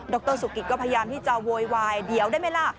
รสุกิตก็พยายามที่จะโวยวายเดี๋ยวได้ไหมล่ะ